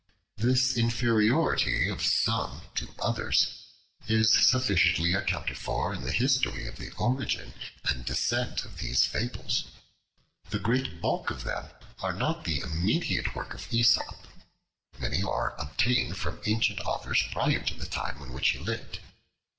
This inferiority of some to others is sufficiently accounted for in the history of the origin and descent of these fables. The great bulk of them are not the immediate work of Aesop. Many are obtained from ancient authors prior to the time in which he lived.